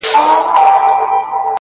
زما ځواني دي ستا د زلفو ښامارونه وخوري.